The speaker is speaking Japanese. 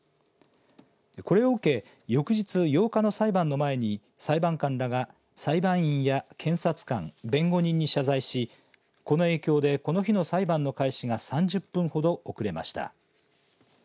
これを受け翌日８日の裁判の前に裁判官らが、裁判員や検察官弁護人に謝罪しこの影響でこの日の裁判の開始が３０分ほど遅れました。